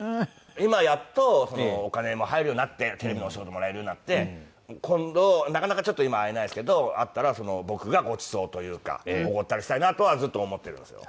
今やっとお金も入るようになってテレビのお仕事もらえるようになって今度なかなかちょっと今会えないですけど会ったら僕がごちそうというか奢ったりしたいなとはずっと思っているんですよ。